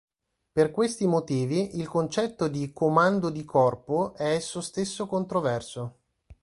Per questi motivi il concetto di "comando di corpo" è esso stesso controverso.